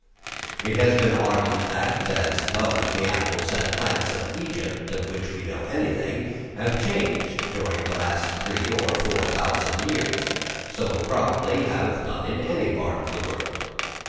It has been argued that, as none of the animals and plants of Egypt, of which we know anything, have changed during the last three or four thousand years, so probably have none in any part of the world.